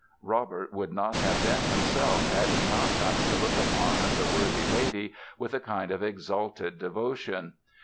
Robert would not have been himself had he not come to look upon the worthy lady with a kind of exalted devotion.